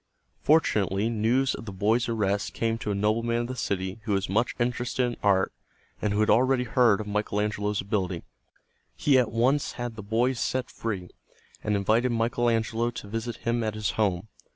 Fortunately news of the boys' arrest came to a nobleman of the city who was much interested in art and who had already heard of Michael Angelo's ability. He at once had the boys set free, and invited Michael Angelo to visit him at his home.